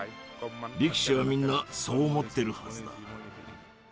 力士はみんなそう思ってるはずだ。